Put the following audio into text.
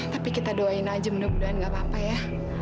tapi kita doain aja mudah mudahan gak apa apa ya